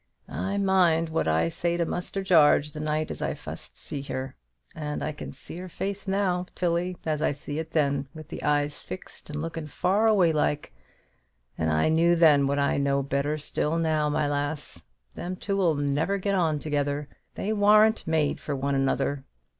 I mind what I say to Muster Jarge the night as I fust see her; and I can see her face now, Tilly, as I see it then, with the eyes fixed and lookin' far away like; and I knew then what I know better still now, my lass, them two'll never get on together. They warn't made for one another.